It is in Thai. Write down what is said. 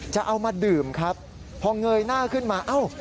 จะเอามาดื่มครับพอเงยหน้าขึ้นมาเอ้า